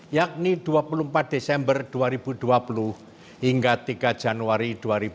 yakni dua puluh empat desember dua ribu dua puluh hingga tiga januari dua ribu dua puluh